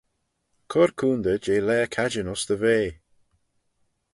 Cur coontey jeh laa cadjin ayns dty vea.